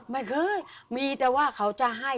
ไม่เคยมีแต่ว่าเขาจะให้